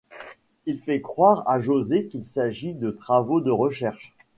Il fait croire à Josée qu'il s'agit de travaux de recherche.